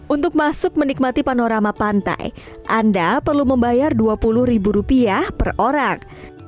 untuk masuk menikmati panorama pantai anda perlu membayar rp dua puluh per orang